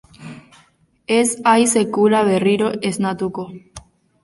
Ez haiz sekula berriro esnatuko.